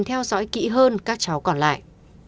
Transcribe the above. theo dõi kỹ hơn các cháu còn lại